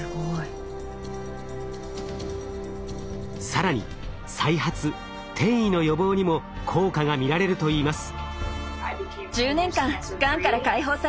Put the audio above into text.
更に再発・転移の予防にも効果が見られるといいます。